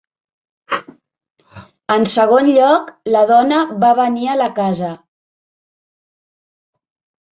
En segon lloc, la dona va venir a la casa.